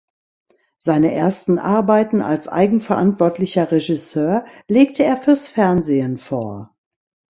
Seine ersten Arbeiten als eigenverantwortlicher Regisseur legte er fürs Fernsehen vor.